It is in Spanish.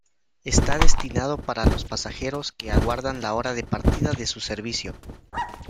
Está destinado para los pasajeros que aguardan la hora de partida de su servicio.